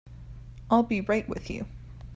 I'll be right with you.